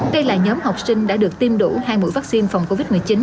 đây là nhóm học sinh đã được tiêm đủ hai mũi vaccine phòng covid một mươi chín